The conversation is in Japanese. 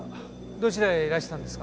どちらへいらしたんですか？